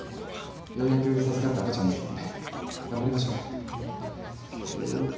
ようやく授かった赤ちゃんですがんばりましょうね